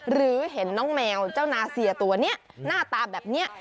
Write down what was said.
หรือเห็นน้องแมวเจ้านาเซียตัวนี้หน้าตาแบบนี้